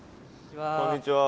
こんにちは。